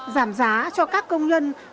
giảm giá cho các công nhân